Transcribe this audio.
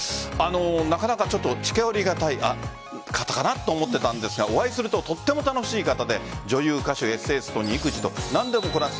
なかなか近寄りがたい方かなと思っていたんですがお会いするととっても楽しい方で女優、歌手、エッセイストに育児と何でもこなす